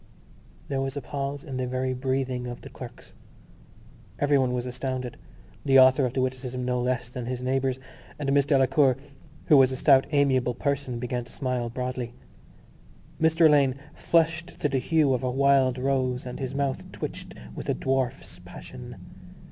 There was a pause in the very breathing of the clerks. Everyone was astounded (the author of the witticism no less than his neighbours) and Miss Delacour, who was a stout amiable person, began to smile broadly. Mr Alleyne flushed to the hue of a wild rose and his mouth twitched with a dwarf's passion.